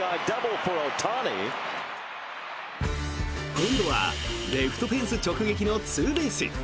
今度はレフトフェンス直撃のツーベース。